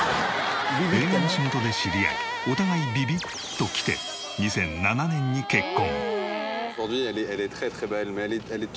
映画の仕事で知り合いお互いビビッときて２００７年に結婚。